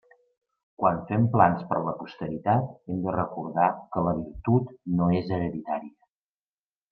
Quan fem plans per a la posteritat hem de recordar que la virtut no és hereditària.